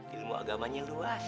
ilmu agamanya luas